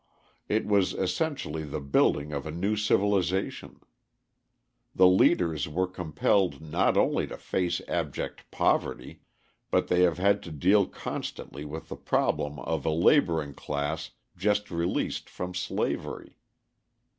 It was essentially the building of a new civilisation. The leaders were compelled not only to face abject poverty, but they have had to deal constantly with the problem of a labouring class just released from slavery.